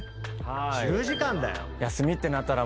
１０時間だよ。